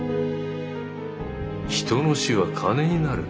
人の死は金になる。